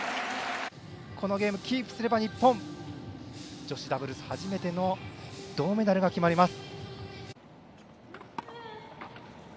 このゲーム、キープすれば日本女子ダブルス初めての銅メダルが決まります。